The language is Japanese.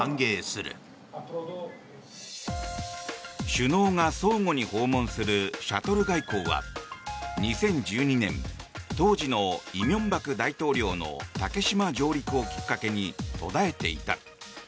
首脳が相互に訪問するシャトル外交は２０１２年当時の李明博大統領の竹島上陸をきっかけに途絶えていた。